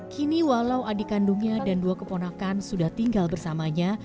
kini walau adik kandungnya dan dua keponakan sudah tinggal bersamanya